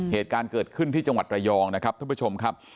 เหตุการณ์เกิดขึ้นที่จังหวัดระยองนะครับท่านผู้ชมครับ